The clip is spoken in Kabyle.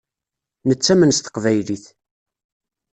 Nettamen s teqbaylit.